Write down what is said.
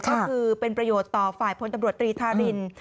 ก็คือเป็นประโยชน์ต่อฝ่ายพลตำรวจตรีธาริน